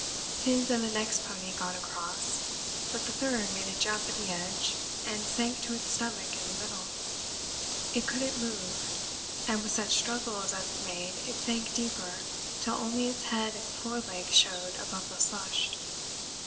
His and the next pony got across, but the third made a jump at the edge and sank to its stomach in the middle. It couldn't move, and with such struggles as it made it sank deeper till only its head and forelegs showed above the slush.